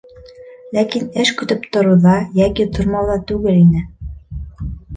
Ләкин эш көтөп тороуҙа йәки тормауҙа түгел ине.